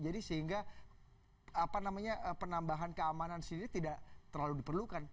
jadi sehingga penambahan keamanan sendiri tidak terlalu diperlukan